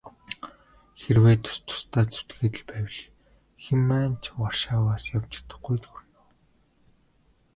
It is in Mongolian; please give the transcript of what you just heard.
Хэрвээ тус тусдаа зүтгээд л байвал хэн маань ч Варшаваас явж чадахгүйд хүрнэ.